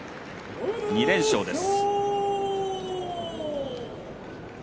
２連勝です。